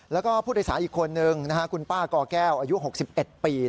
แล้วก็ผู้โดยสารอีกคนนึงคุณป้ากอแก้วอายุ๖๑ปี